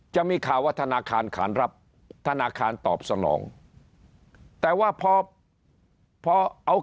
จะมีข่าวว่าธนาคารขานรับธนาคารตอบสนองแต่ว่าพอพอเอา